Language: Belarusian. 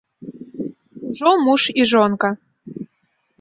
Ужо муж і жонка.